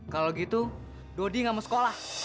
kalau gitu dodi nggak mau sekolah